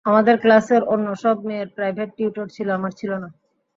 আমাদের ক্লাসের অন্যসব মেয়ের প্রাইভেট টিউটর ছিল, আমার ছিল না।